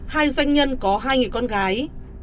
hai doanh nhân có hai người con gái